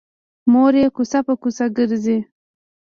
مور یې کوڅه په کوڅه ګرځي